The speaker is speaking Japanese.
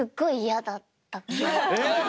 えっ！